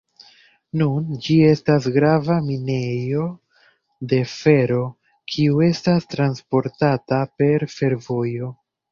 Nun ĝi estas grava minejo de fero kiu estas transportata per fervojo.